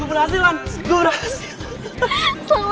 gue berhasilan gue berhasilan